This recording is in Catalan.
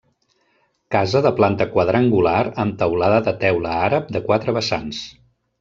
Casa de planta quadrangular amb teulada de teula àrab de quatre vessants.